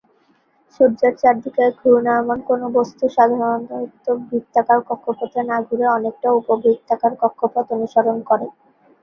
সূর্যের চারদিকে ঘূর্ণায়মান কোন বস্তু সাধারণত বৃত্তাকার কক্ষপথে না ঘুরে অনেকটা উপবৃত্তাকার কক্ষপথ অনুসরণ করে।